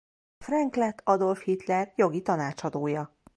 Frank lett Adolf Hitler jogi tanácsadója.